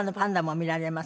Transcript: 見られます。